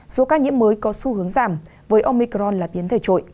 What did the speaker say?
số ca nhiễm mới có xu hướng giảm với omicron là biến thể trội